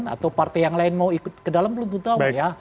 atau partai yang lain mau ikut ke dalam belum tentu tahu ya